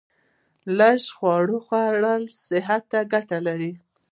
لږ خواړه خوړل صحت ته ګټه لري